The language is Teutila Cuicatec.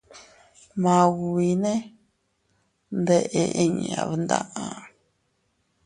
Maubinne ndeʼe inña mdaʼa.